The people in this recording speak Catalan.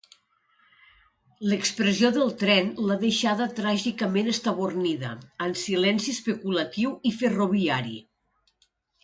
L'expressió del tren l'ha deixada tràgicament estabornida, en silenci especulatiu i ferroviari.